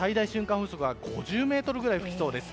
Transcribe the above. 風速が５０メートルぐらい吹きそうです。